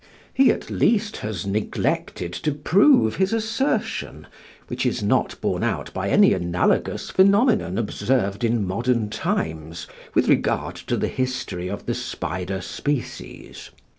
He at least has neglected to prove his assertion, which is not borne out by any analogous phenomenon observed in modern times with regard to the history of the spider species.